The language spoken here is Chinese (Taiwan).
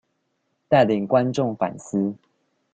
帶領觀眾反思